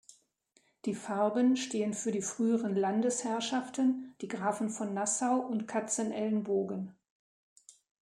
Die Farben stehen für die früheren Landesherrschaften, die Grafen von Nassau und Katzenelnbogen.